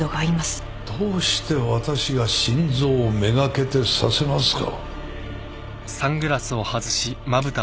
どうして私が心臓めがけて刺せますか？